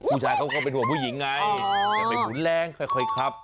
ผู้ชายเขาก็เป็นห่วงผู้หญิงไงจะไปหมุนแรงค่อยขับ